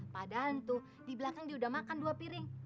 padahal tuh di belakang dia udah makan dua piring